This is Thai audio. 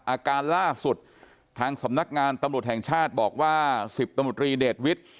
อาการล่าสุดทางสำนักงานตำรวจแห่งชาติบอกว่า๑๐ตำรวจรีเดชวิทย์